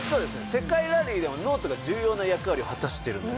世界ラリーでもノートが重要な役割を果たしているんです。